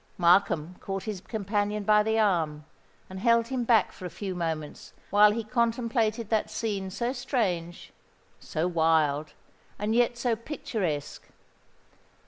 Markham caught his companion by the arm, and held him back for a few moments while he contemplated that scene so strange—so wild—and yet so picturesque.